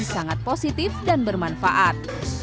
sangat positif dan bermanfaat